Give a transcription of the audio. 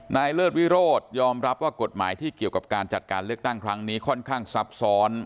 เลิศวิโรธยอมรับว่ากฎหมายที่เกี่ยวกับการจัดการเลือกตั้งครั้งนี้ค่อนข้างซับซ้อน